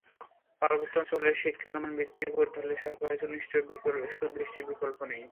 পার্বত্য অঞ্চলের শিক্ষার মান বৃদ্ধি করতে হলে সরকারের সুদৃষ্টির বিকল্প নেই।